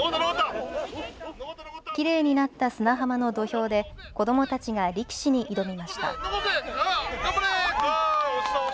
きれいになった砂浜の土俵で子どもたちが力士に挑みました。